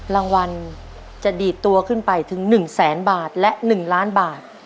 รางวัลจะดีดตัวขึ้นไปถึง๑แสนบาทและ๑ล้านบาท